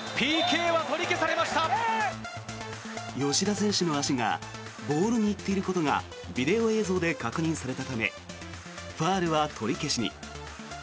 吉田選手の足がボールに行っていることがビデオ映像で確認されたためファウルは取り消しに。